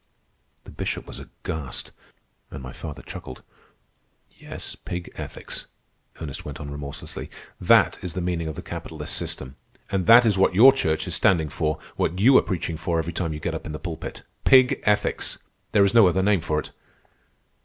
The Bishop was aghast, and my father chuckled. "Yes, pig ethics," Ernest went on remorselessly. "That is the meaning of the capitalist system. And that is what your church is standing for, what you are preaching for every time you get up in the pulpit. Pig ethics! There is no other name for it."